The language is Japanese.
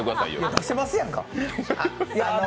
出してますやんか。